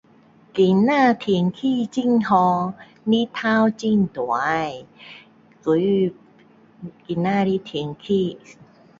今天天气很好日头很大所以今天的天气